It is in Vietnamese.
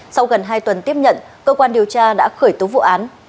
sau gần hai tuần tiếp nhận cơ quan điều tra đã khởi tố vụ án